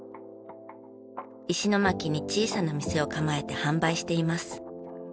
石巻に小さな店を構えて販売しています。